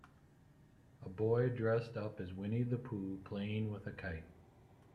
A boy dressed up as Winnie The Pooh playing with a kite.